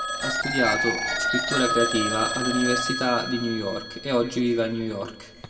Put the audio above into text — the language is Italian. Ha studiato scrittura creativa all'Università di New York e oggi vive a New York.